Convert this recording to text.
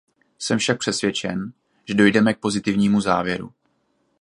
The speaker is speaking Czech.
Jsem však přesvědčen, že dojdeme k pozitivnímu závěru.